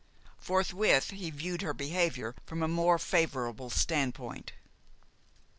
Forthwith he viewed her behavior from a more favorable standpoint.